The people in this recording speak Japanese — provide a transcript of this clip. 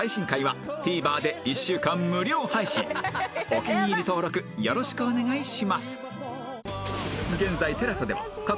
お気に入り登録よろしくお願いします